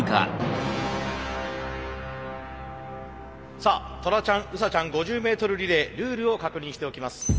さあトラちゃんウサちゃん５０ｍリレールールを確認しておきます。